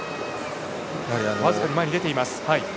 僅かに前に出ています。